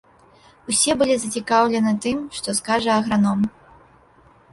Усе былі зацікаўлены тым, што скажа аграном.